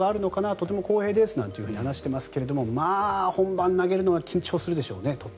とても光栄ですなんて話していますけど本番投げるのはとても緊張するでしょうね。